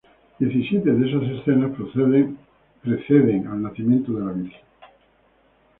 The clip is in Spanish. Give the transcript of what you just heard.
Diecisiete de esas escenas preceden al Nacimiento de la Virgen.